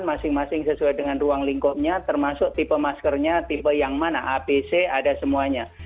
masing masing sesuai dengan ruang lingkupnya termasuk tipe maskernya tipe yang mana abc ada semuanya